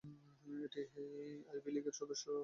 এটি আইভি লীগের সদস্য।